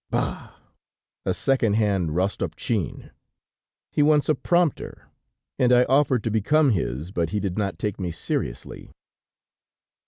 Bah? A second hand Rostopchin! He wants a prompter, and I offered to become his but he did not take me seriously.'